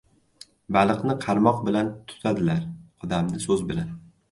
• Baliqni qarmoq bilan tutadilar, odamni ― so‘z bilan.